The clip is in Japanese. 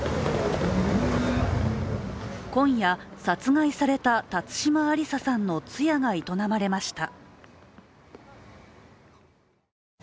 今夜、殺害された辰島ありささんの通夜が営まれました。